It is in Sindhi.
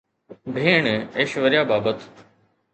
ڀيڻ ايشوريا بابت